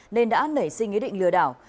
nên đã nảy sinh ý định lừa đảo